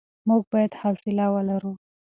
موږ بايد حوصله ولرو.